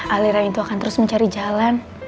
aliran itu akan terus mencari jalan